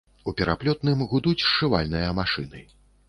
У пераплётным гудуць сшывальныя машыны.